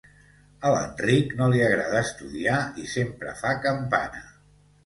A l'Enric no li agrada estudiar i sempre fa campana: